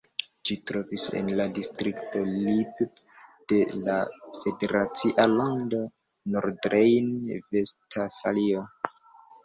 Ĝi troviĝas en la distrikto Lippe de la federacia lando Nordrejn-Vestfalio.